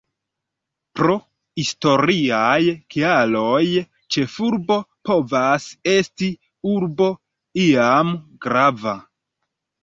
Pro historiaj kialoj, ĉefurbo povas esti urbo iam grava.